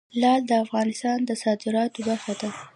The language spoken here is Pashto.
لعل د افغانستان د صادراتو برخه ده.